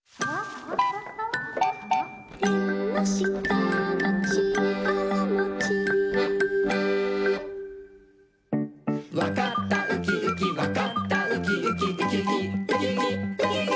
「えんのしたのちからもち」「わかったウキウキわかったウキウキ」「ウキウキウキウキウキウキ」